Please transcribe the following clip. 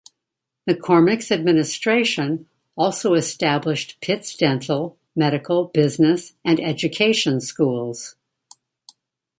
McCormick's administration also established Pitt's dental, medical, business, and education schools.